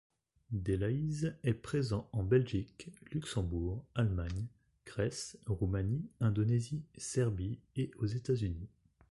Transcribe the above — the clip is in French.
Delhaize est présent en Belgique, Luxembourg, Allemagne, Grèce, Roumanie, Indonésie, Serbie, et aux États-Unis.